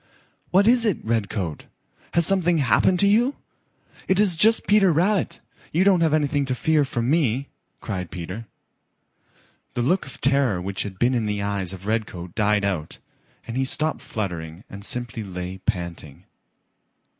"What is it, Redcoat? Has something happened to you? It is just Peter Rabbit. You don't have anything to fear from me," cried Peter. The look of terror which had been in the eyes of Redcoat died out, and he stopped fluttering and simply lay panting.